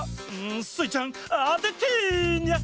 んスイちゃんあててニャ！